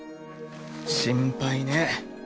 心配ねえ。